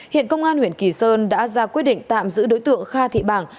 hiện công an huyện kỳ sơn đã ra quyết định tạm giữ đối tượng kha thị bảng